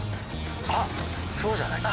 あっそうじゃない？